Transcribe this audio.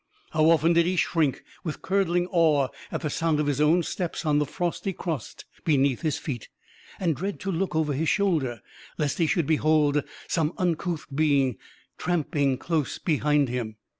How often did he shrink with curdling awe at the sound of his own steps on the frosty crust beneath his feet, and dread to look over his shoulder, lest he should behold some uncouth being tramping close behind him!